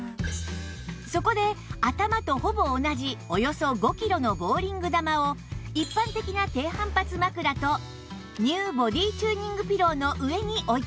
そこで頭とほぼ同じおよそ５キロのボウリング球を一般的な低反発枕と ＮＥＷ ボディチューニングピローの上に置いてみます